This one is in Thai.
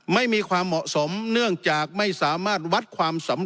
ไม่มีความเหมาะสม